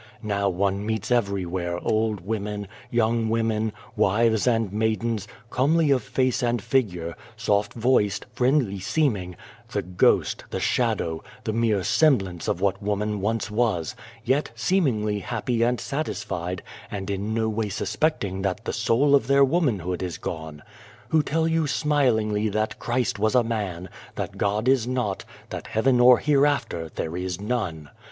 Now one meets everywhere old women, young women, wives and maidens, comely of face and figure, soft voiced, friendly seeming the ghost, the shadow, the mere semblance of what woman once was, yet seemingly happy and satisfied and in no way suspecting that the soul of their womanhood is gone who tell you smilingly 264 Without a Child that Christ was a man, that God is not, that Heaven or Hereafter there is none.